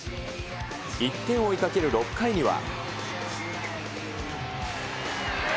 １点を追いかける６回には。